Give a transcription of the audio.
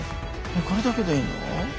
これだけでいいの？